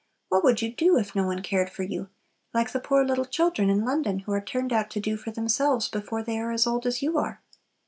What would you do if no one cared for you, like the poor little children in London who are turned out to "do for themselves" before they are as old as you are?